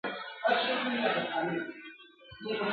توري چي غاړي پرې کوي دوست او دښمن نه لري !.